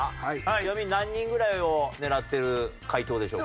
ちなみに何人ぐらいを狙ってる解答でしょうか？